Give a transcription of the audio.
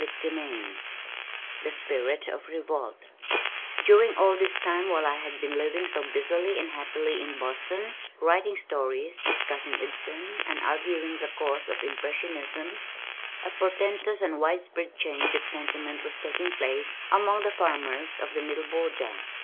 CHAPTER XXXII The Spirit of Revolt During all this time while I had been living so busily and happily in Boston, writing stories, discussing Ibsen and arguing the cause of Impressionism, a portentous and widespread change of sentiment was taking place among the farmers of the Middle Border.